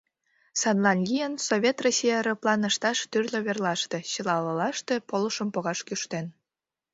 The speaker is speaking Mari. Садлан лийын, Совет Россий аэроплан ышташ тӱрлӧ верлаште, чыла олалаште полышым погаш кӱштен.